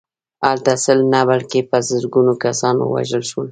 هلته سل نه بلکې په زرګونه کسان ووژل شول